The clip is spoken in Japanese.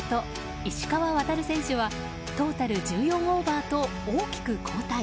石川航選手はトータル１４オーバーと大きく後退。